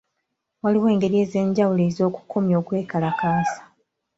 Waliwo engeri ez'enjawulo ez'okukomya okwekalakaasa.